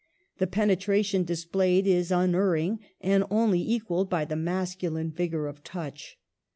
The penetration displayed is unerring, and only equalled by the masculine vigor of touch.